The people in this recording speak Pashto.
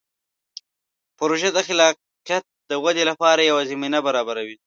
پروژه د خلاقیت د ودې لپاره یوه زمینه برابروي.